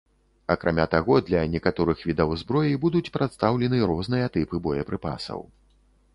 Акрамя таго, для некаторых відаў зброі будуць прадстаўлены розныя тыпы боепрыпасаў.